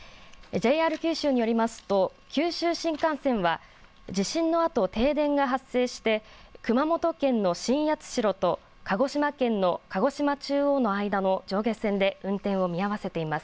ＪＲ九州によりますと九州新幹線は地震のあと停電が発生して熊本県の新八代と鹿児島県の鹿児島中央の間の上下線で運転を見合わせています。